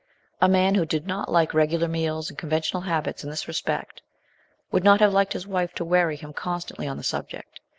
A man who did not like regular meals and conventional habits in this respect, would not have liked his wife to worry him constantly on the subject, 160 MRS.